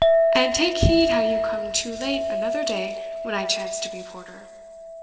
and take heed how you come too late another day when I chance to be porter."